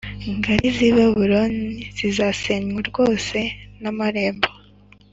Ngari zi babuloni zizasenywa rwose n amarembo